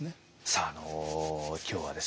さあ今日はですね